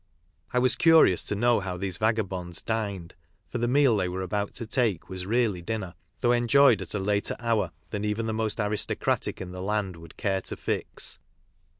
I was curious to know how these vagabonds dined, for the meal they were about to take was really dinner, though enjoyed at a later hour than even the most aristocratic in the land would care to fix.